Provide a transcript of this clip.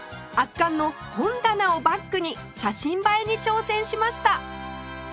圧巻の本棚をバックに写真映えに挑戦しました